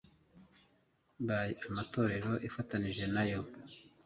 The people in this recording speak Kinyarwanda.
by amatorero ifatanije nayo